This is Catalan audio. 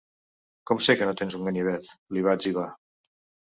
Com sé que no tens un ganivet?, li va etzibar.